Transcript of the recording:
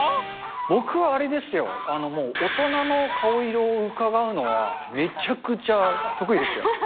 僕はあれですよ、あのもう大人の顔色をうかがうのはめちゃくちゃ得意でしたよ。